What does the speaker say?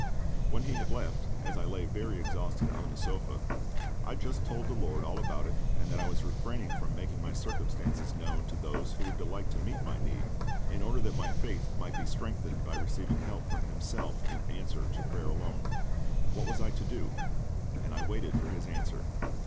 When he had left, as I lay very exhausted on the sofa, I just told the LORD all about it, and that I was refraining from making my circumstances known to those who would delight to meet my need, in order that my faith might be strengthened by receiving help from Himself in answer to prayer alone. What was I to do? And I waited for His answer.